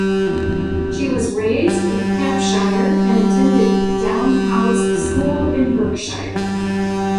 She was raised in Hampshire and attended Downe House School in Berkshire.